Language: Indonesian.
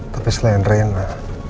tapi selain rena